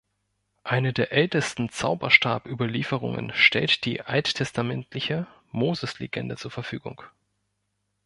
Eine der ältesten Zauberstab-Überlieferungen stellt die alttestamentliche Moses-Legende zur Verfügung.